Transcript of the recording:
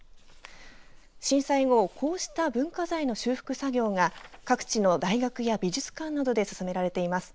震災後、こうした文化財の修復作業が各地の大学や美術館などで進められています。